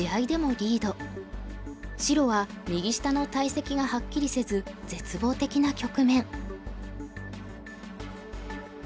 白は右下の大石がはっきりせず絶望的な局面。